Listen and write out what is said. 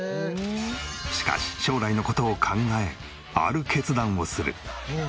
しかし将来の事を考えある決断をする。